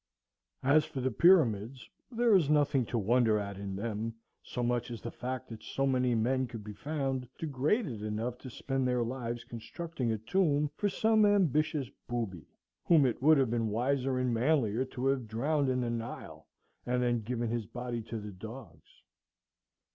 As for the Pyramids, there is nothing to wonder at in them so much as the fact that so many men could be found degraded enough to spend their lives constructing a tomb for some ambitious booby, whom it would have been wiser and manlier to have drowned in the Nile, and then given his body to the dogs.